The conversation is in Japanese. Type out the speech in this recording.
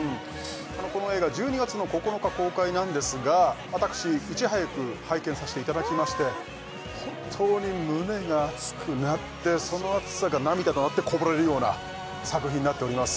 この映画１２月の９日公開なんですが私いち早く拝見させていただきまして本当に胸が熱くなってその熱さが涙となってこぼれるような作品になっております